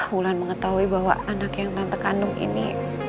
wulan mengetahui bahwa anak yang tante kandung ini